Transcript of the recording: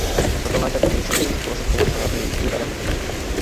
সকাল নয়টার দিকে বিশ্ববিদ্যালয়ের প্রক্টর অশোক কুমার সাহা গিয়ে তালা ভাঙান।